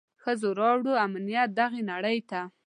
ښځو راووړ امنيت دغي نړۍ ته.